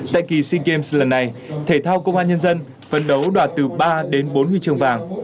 tại kỳ sea games lần này thể thao công an nhân dân phấn đấu đoạt từ ba đến bốn huy chương vàng